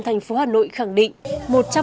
thành phố hà nội khẳng định